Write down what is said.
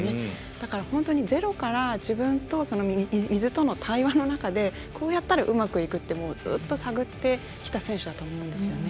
だから、本当にゼロから自分と水との対話の中でこうやったらうまくいくってずっと探ってきた選手だと思うんですよね。